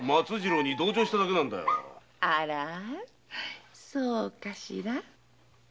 あらァそうかしら？